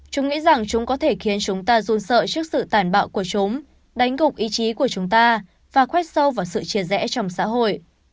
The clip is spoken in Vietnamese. chúng nghĩ rằng chúng có thể khiến chúng ta run sợ trước sự tản bạo của chúng đánh gục ý chí của chúng ta và khoét sâu vào sự chia rẽ trong xã hội